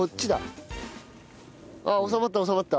ああ収まった収まった。